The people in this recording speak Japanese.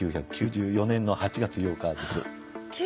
１９９４年の８月８日です。